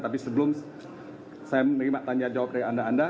tapi sebelum saya menerima tanya jawab dari anda anda